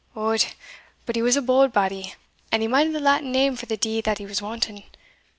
Od, but he was a bauld body, and he minded the Latin name for the deed that he was wanting.